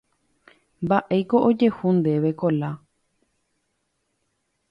Mba'éiko ojehu ndéve Kola.